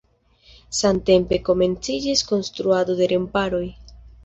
Samtempe komenciĝis konstruado de remparoj.